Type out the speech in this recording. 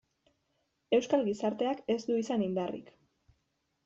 Euskal gizarteak ez du izan indarrik.